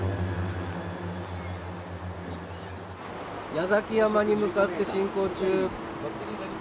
矢崎山に向かって進行中。